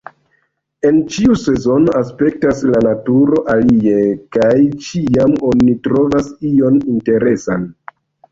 En ĉiu sezono aspektas la naturo alie... kaj ĉiam oni trovas ion interesan.